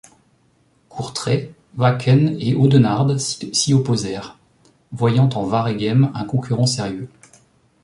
Courtrai, Wakken et Audenarde s'y opposèrent, voyant en Waregem un concurrent sérieux.